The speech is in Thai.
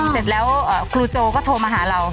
เสร็จแล้วครูโจก็โทรมาหาเรา